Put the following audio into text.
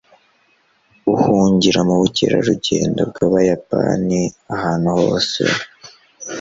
Uhungira mubukerarugendo bwabayapani ahantu hose.